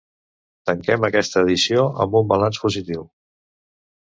Tanquem aquesta edició amb un balanç positiu.